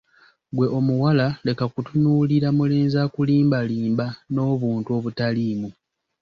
Ggwe omuwala leka kutunuulira mulenzi akulimbalimba n'obuntuntu obutaliimu!